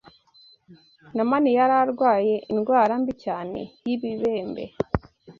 Namani yari arwaye indwara mbi cyane y’ibibembe